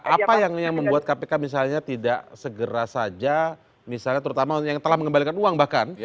apa yang membuat kpk misalnya tidak segera saja misalnya terutama yang telah mengembalikan uang bahkan